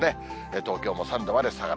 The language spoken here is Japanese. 東京も３度まで下がる。